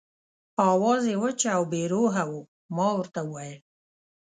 آواز یې وچ او بې روحه و، ما ورته وویل.